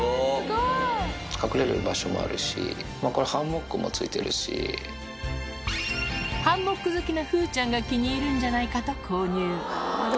隠れる場所もあるし、これ、ハンモック好きな風ちゃんが気に入るんじゃないかと購入。